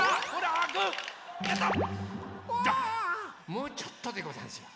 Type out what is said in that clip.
もうちょっとでござんすよ。